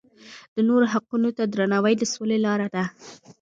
د نورو حقونو ته درناوی د سولې لاره ده.